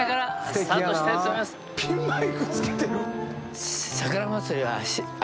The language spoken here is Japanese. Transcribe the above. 「ピンマイクつけてる」